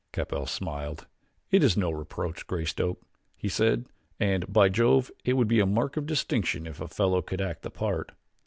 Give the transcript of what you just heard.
Capell smiled. "It is no reproach, Greystoke," he said; "and, by Jove, it would be a mark of distinction if a fellow could act the part.